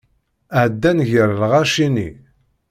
Ɛeddan gar lɣaci-nni.